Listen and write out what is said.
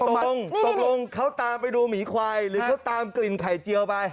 ตกลงตกลงเขาตามไปดูหมีควายหรือเขาตามกลิ่นไข่เจียวไป